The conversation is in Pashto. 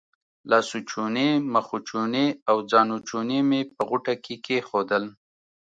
لاسوچونې، مخوچونې او ځانوچونی مې په غوټه کې کېښودل.